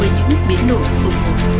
với những nước biến nổi hữu